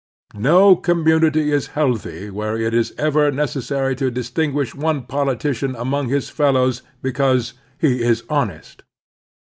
No commimity is healthy where it is ever necessary to distinguish one politician among his fellows because "he is honest."